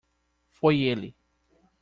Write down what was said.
Foi ele